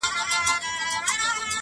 چي باد مي ستا له لاري څخه پلونه تښتوي،